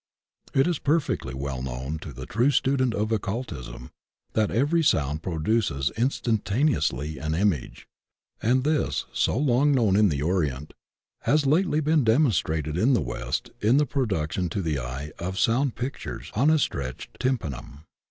It is perfectly well known to the true student of occultism that ev ery sound produces instantaneously an image, and this, so long known in the Orient, has lately l^n demon 142 THB OCEAN OF THEOSOPHY strated in the West in the production to the eye of sound pictures on a stretched tympanum.